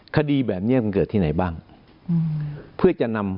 คดีแบบนี้มันเกิดที่ไหนบ้างเพื่อจะนำ